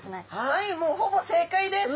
はいもうほぼ正解です。